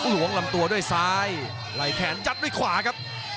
หลวงลำตัวด้วยซ้ายไหล่แขนยัดด้วยขวาครับ